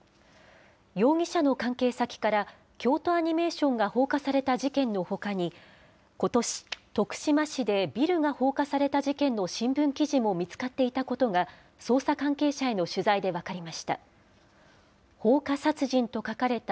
容疑者の関係先から、京都アニメーションが放火された事件のほかに、ことし、徳島市でビルが放火された事件の新聞記事も見つかっていたことが捜査関係者への取材で分かりました。